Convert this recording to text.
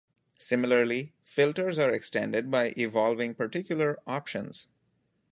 Similarly, "filters" are extended by evolving particular "options".